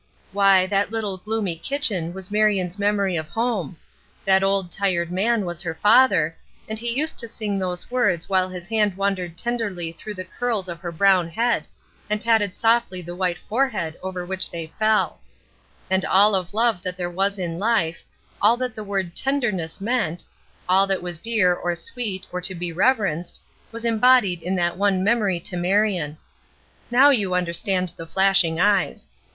Why, that little gloomy kitchen was Marion's memory of home; that old, tired man was her father, and he used to sing those words while his hand wandered tenderly through the curls of her brown head, and patted softly the white forehead over which they fell; and all of love that there was in life, all that the word "tenderness" meant, all that was dear, or sweet or to be reverenced, was embodied in that one memory to Marion. Now you understand the flashing eyes.